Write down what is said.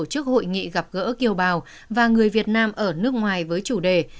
hội nghị gặp gỡ kiều bào và người việt nam ở nước ngoài với chủ đề